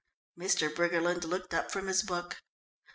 Mr. Briggerland looked up from his book.